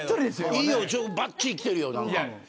いいよ、ばっちりきてるよ。